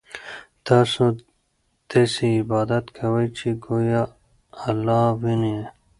تاسو داسې عبادت کوئ چې ګویا الله وینئ.